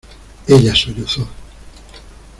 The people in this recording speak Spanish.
ella sollozó: